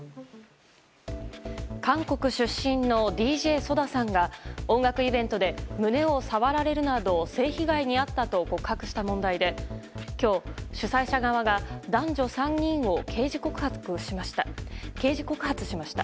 韓国出身のＤＪＳＯＤＡさんが音楽イベントで胸を触られるなど性被害に遭ったと告白した問題で今日、主催者側が男女３人を刑事告発しました。